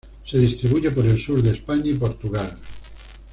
Se distribuye por el sur de España y Portugal.